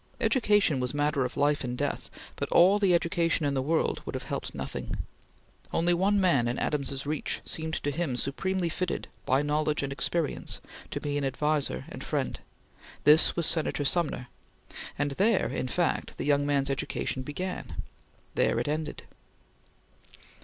Education was matter of life and death, but all the education in the world would have helped nothing. Only one man in Adams's reach seemed to him supremely fitted by knowledge and experience to be an adviser and friend. This was Senator Sumner; and there, in fact, the young man's education began; there it ended.